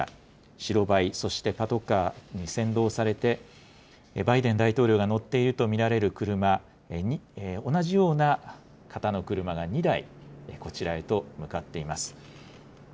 白バイ、そしてパトカーに先導されて、バイデン大統領が乗っていると見られる車、同じような方の車が２台こちらへと向かっています。